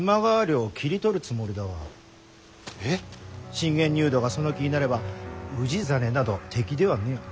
信玄入道がその気になれば氏真など敵ではにゃあ。